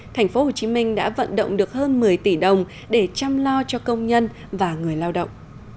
tp hcm đã vận động được hơn một mươi tỷ đồng để chăm lo cho công nhân và người lao động